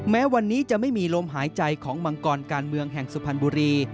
แม้วันนี้จะไม่มีลมหายใจของมังกรการเมืองแห่งสุพรรณบุรี